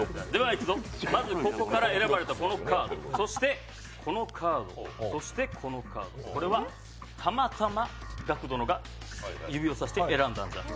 いくぞ、ここから選ばれたこのカード、そしてこのカード、これは、たまたまガク殿が指をさして選んだんじゃ。